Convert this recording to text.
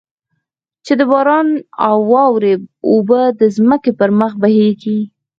چې د باران او واورې اوبه د ځمکې پر مخ بهېږي.